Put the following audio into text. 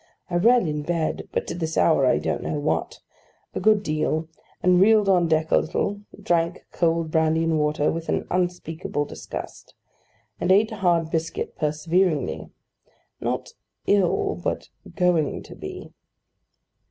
I read in bed (but to this hour I don't know what) a good deal; and reeled on deck a little; drank cold brandy and water with an unspeakable disgust, and ate hard biscuit perseveringly: not ill, but going to be.